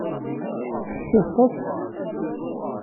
Ttḥessiset-as!